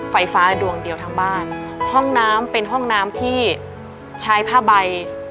ไฟฟ้าดวงเดียวทั้งบ้านห้องน้ำเป็นห้องน้ำที่ใช้ผ้าใบ